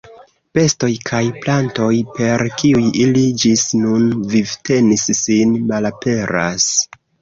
Bestoj kaj plantoj, per kiuj ili ĝis nun vivtenis sin, malaperas.